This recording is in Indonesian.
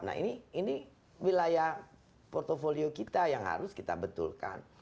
nah ini wilayah portfolio kita yang harus kita betulkan